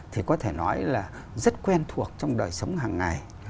thì có thể nói là rất quen thuộc trong đời sống hàng ngày